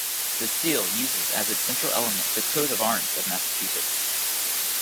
The Seal uses as its central element the Coat of Arms of Massachusetts.